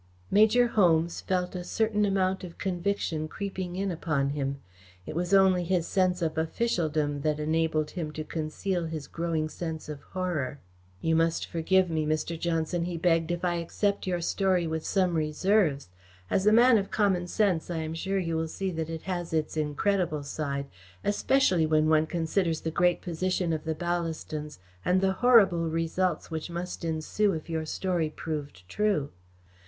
Major Holmes felt a certain amount of conviction creeping in upon him. It was only his sense of officialdom which enabled him to conceal his growing sense of horror. "You must forgive me, Mr. Johnson," he begged, "if I accept your story with some reserves. As a man of common sense, I am sure you will see that it has its incredible side, especially when one considers the great position of the Ballastons and the horrible results which must ensue if your story be proved true.